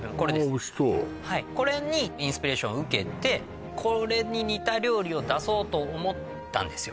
おいしそうはいこれにインスピレーション受けてこれに似た料理を出そうと思ったんですよ